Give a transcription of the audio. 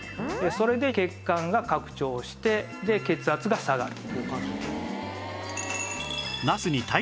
それで血管が拡張してで血圧が下がる。